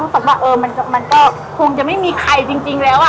รู้สึกว่าคงจะไม่มีใครจริงแล้ว